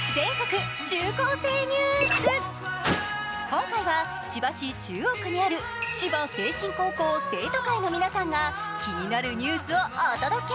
今回は千葉市中央区にある千葉聖心高校生徒会の皆さんが気になるニュースをお届け。